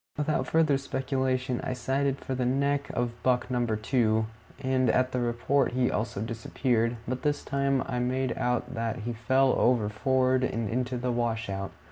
Without further speculation, I sighted for the neck of buck number two, and at the report he also disappeared; but this time I made out that he fell over forward into the washout.